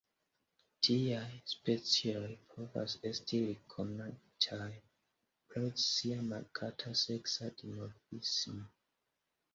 Tiaj specioj povas esti rekonitaj pro sia markata seksa dimorfismo.